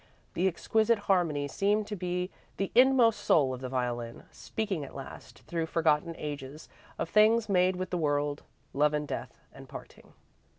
The exquisite harmony seemed to be the inmost soul of the violin, speaking at last, through forgotten ages, of things made with the world Love and Death and Parting.